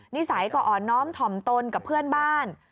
นิสัยก็อ่อนน้อมถ่อมตนกับเพื่อนบ้าน